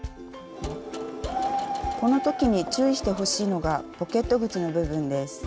この時に注意してほしいのがポケット口の部分です。